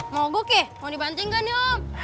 mau gokeh mau dibanting gak nih om